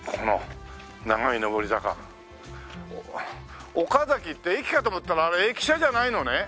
「おかざき」って駅かと思ったらあれ駅舎じゃないのね？